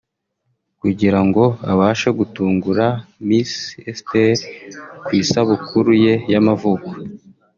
kugirango abashe gutungura Miss Esther ku isabukuru ye y'amavuko